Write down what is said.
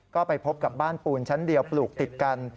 ก็ไปพบกับบ้านปูนชั้นเดียวปลูกติดกัน